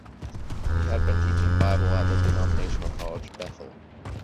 He had been teaching Bible at the denominational college, Bethel.